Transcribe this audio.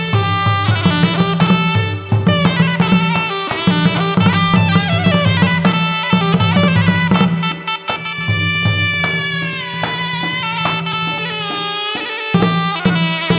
กลับไปด้วย